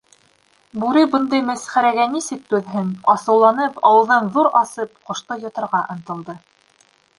Бүре бындай мәсхәрәгә нисек түҙһен, асыуланып, ауыҙын ҙур асып ҡошто йоторға ынтылды.